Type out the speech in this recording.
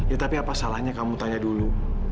ya tapi apa salahnya kamu tanya dulu